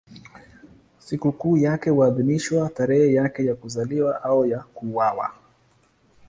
Sikukuu yake huadhimishwa tarehe yake ya kuzaliwa au ya kuuawa.